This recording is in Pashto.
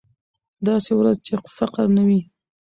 داسې ورځ چې فقر نه وي.